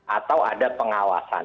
atau ada pengawasan